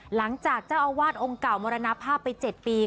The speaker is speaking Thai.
หลังจากเจ้าอาวาสองค์เก่ามรณภาพไป๗ปี